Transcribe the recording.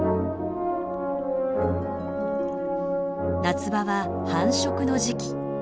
夏場は繁殖の時期。